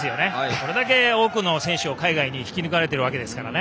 これだけ多くの選手を海外に引き抜かれているわけですから。